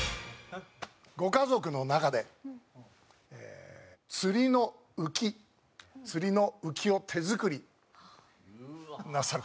ご家族の中で釣りのウキ釣りのウキを手作りなさる方。